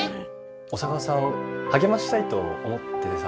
小佐川さん励ましたいと思っててさ。